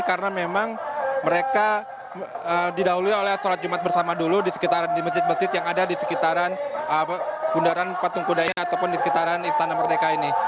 karena memang mereka didahului oleh sholat jumat bersama dulu di sekitaran mesjid mesjid yang ada di sekitaran bundaran patung kuda ini ataupun di sekitaran istana merdeka ini